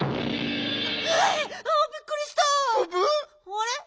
あれ？